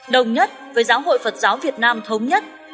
đồng nhất với giáo hội phật giáo việt nam thống nhất